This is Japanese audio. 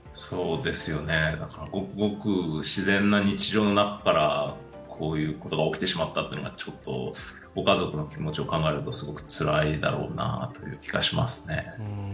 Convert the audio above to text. ごくごく自然な日常の中からこういうことが起きてしまったというのはちょっとご家族の気持ちを考えると、すごくつらいだろうなという感じがしますね。